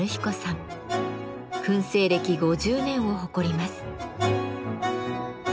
燻製歴５０年を誇ります。